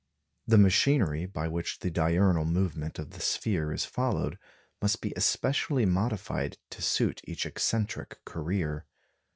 The machinery by which the diurnal movement of the sphere is followed, must be especially modified to suit each eccentric career.